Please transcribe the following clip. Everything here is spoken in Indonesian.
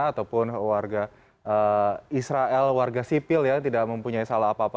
ataupun warga israel warga sipil yang tidak mempunyai salah apa apa